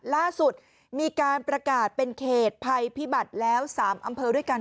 ล่าสุดมีการประกาศเป็นเขตภัยพิบัติแล้ว๓อำเภอด้วยกัน